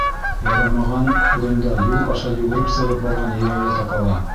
Ярамаған урында юл аша йүгереп сығып барған йәйәүле тапала.